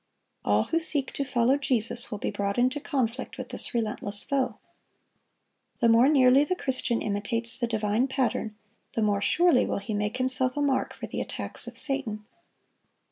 All who seek to follow Jesus will be brought into conflict with this relentless foe. The more nearly the Christian imitates the divine Pattern, the more surely will he make himself a mark for the attacks of Satan.